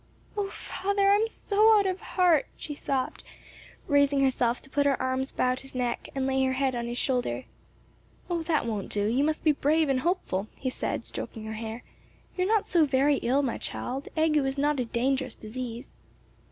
"O father, I'm so out of heart," she sobbed, raising herself to put her arms round his neck and lay her head on his shoulder. "Oh, that won't do! you must be brave and hopeful," he said, stroking her hair. "You're not so very ill, my child; ague is not a dangerous disease."